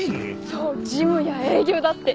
そう事務や営業だって。